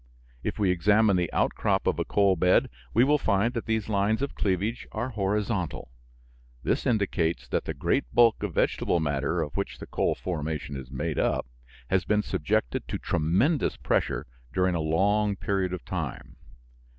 If we examine the outcrop of a coal bed we will find that these lines of cleavage are horizontal. This indicates that the great bulk of vegetable matter of which the coal formation is made up has been subjected to tremendous pressure during a long period of time.